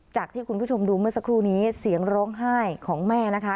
ที่คุณผู้ชมดูเมื่อสักครู่นี้เสียงร้องไห้ของแม่นะคะ